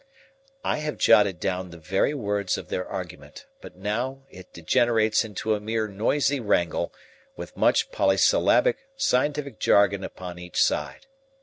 I have jotted down the very words of their argument, but now it degenerates into a mere noisy wrangle with much polysyllabic scientific jargon upon each side.